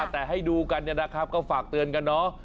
แต่ให้ดูกันเนี่ยนะครับก็ฝากเตือนกันเนาะ